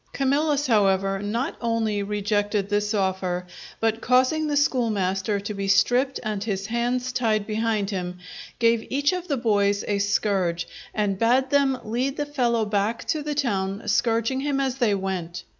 _" Camillus, however, not only rejected this offer, but causing the schoolmaster to be stripped and his hands tied behind him, gave each of the boys a scourge, and bade them lead the fellow back to the town scourging him as they went.